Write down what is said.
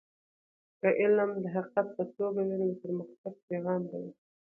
که علم د حقیقت په توګه وي نو د پرمختګ پیغام به وي.